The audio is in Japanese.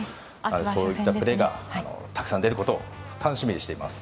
そういったプレーがたくさん出ることを楽しみにしています。